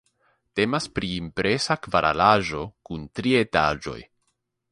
Temas pri impresa kvaralaĵo kun tri etaĝoj.